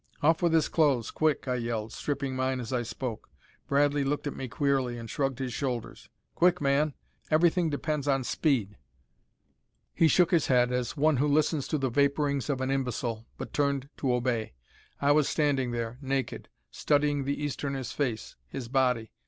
"Off with his clothes, quick!" I yelled, stripping mine as I spoke. Bradley looked at me queerly, and shrugged his shoulders. "Quick, man! Everything depends on speed!" He shook his head, as one who listens to the vaporings of an imbecile, but turned to obey. I was standing there naked, studying the Easterner's face, his body.